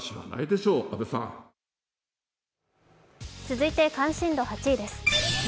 続いて関心度８位です。